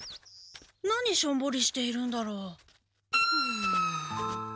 何しょんぼりしているんだろう？はあ。